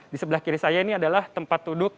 di sebelah kiri saya ini adalah tempat duduk